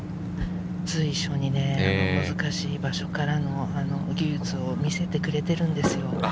随所に難しい場所からの技術を見せてくれてるんですよ。